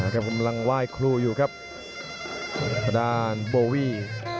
กำลังว่ายครูอยู่ครับประดานโบวี่